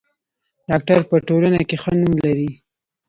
ډاکټر په ټولنه کې ښه نوم لري.